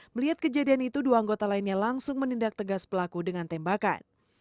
melihat kejadian itu dua anggota lainnya langsung menindak tegas pelaku dengan tembakan